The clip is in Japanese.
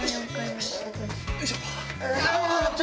よいしょ！